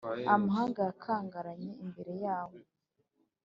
Amahanga yakangaranye imbere yayo,